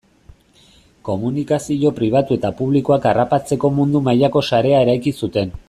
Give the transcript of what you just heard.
Komunikazio pribatu eta publikoak harrapatzeko mundu mailako sarea eraiki zuten.